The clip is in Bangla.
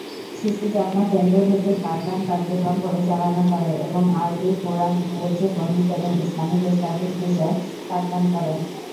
শিশু যত্ন কেন্দ্র ভিত্তিক পাঠদান কার্যক্রম পরিচালনা করে এবং আরবি, কুরআন, ইংরেজি, গণিত এবং ইসলামিক স্টাডিজ বিষয়ে পাঠদান করে।